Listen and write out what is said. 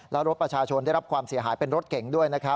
และรถประชาชนได้รับความเสียหายเป็นรถเก่งด้วยนะครับ